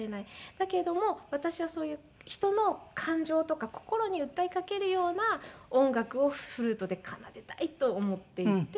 だけども私はそういう人の感情とか心に訴えかけるような音楽をフルートで奏でたいと思っていて。